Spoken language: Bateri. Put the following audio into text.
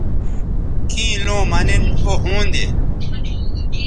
کیں لوں مہ نن او ھوندے